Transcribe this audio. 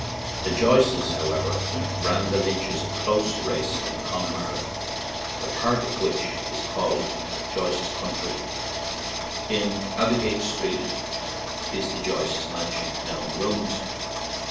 The Joyces, however, ran the Lynches a close race in Connemara, a part of which is called "Joyce's country/' In Abbey gate Street is the Joyces' mansion, now in ruins.